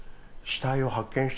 死体を発見し